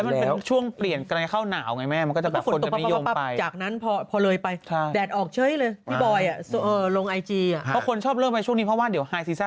แล้วมันก็เลยเกิดความสูเสียน่าจะเป็นความสูเสียน้อยที่สุด